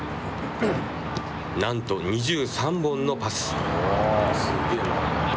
なんと、２３本のパス。